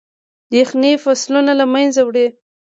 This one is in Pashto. يخني فصلونه له منځه وړي.